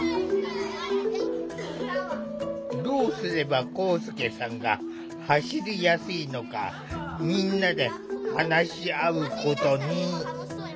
どうすれば光祐さんが走りやすいのかみんなで話し合うことに。